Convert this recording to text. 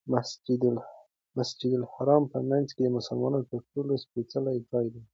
مسجدالحرام په منځ کې د مسلمانانو تر ټولو سپېڅلی ځای دی.